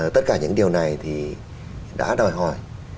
tất cả những điều này thì đã đòi hỏi